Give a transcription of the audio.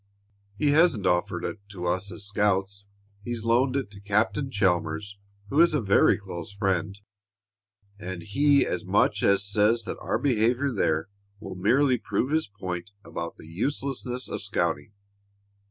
"He hasn't offered it to us as scouts. He's loaned it to Captain Chalmers, who is a very close friend, and he as much as says that our behavior there will merely prove his point about the uselessness of scouting.